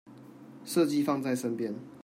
設計放在身邊